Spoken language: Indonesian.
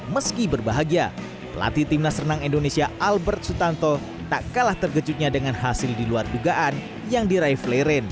meski berbahagia pelatih timnas renang indonesia albert sutanto tak kalah terkejutnya dengan hasil diluar dugaan yang diraih fleren